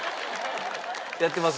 やってます？